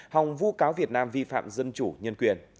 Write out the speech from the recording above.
hòng vu cáo việt nam vi phạm dân chủ nhân quyền